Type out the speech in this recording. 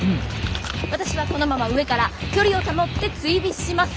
私はこのまま上から距離を保って追尾します。